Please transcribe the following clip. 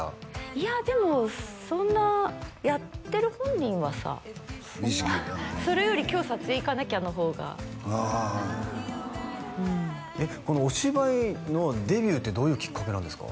いやでもそんなやってる本人はさそんなそれより今日撮影行かなきゃの方がああうんこのお芝居のデビューってどういうきっかけなんですか？